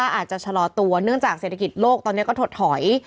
อาจจะชะลอตัวเนื่องจากเศรษฐกิจโลกตอนนี้ก็ถดถอย